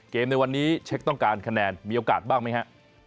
ในวันนี้เช็คต้องการคะแนนมีโอกาสบ้างไหมฮะ